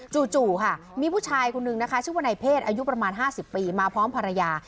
จู่ค่ะมีผู้ชายคนนึงนะคะชื่อว่านายเพศอายุประมาณ๕๐ปีมาพร้อมภรรยา